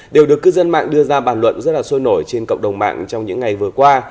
đều được cư dân mạng đưa ra bàn luận rất là sôi nổi trên cộng đồng mạng trong những ngày vừa qua